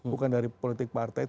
bukan dari politik partai